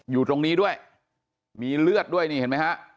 อยู่ตรงนี้ด้วยมีเลือดด้วยนี่เห็นไหมฮะ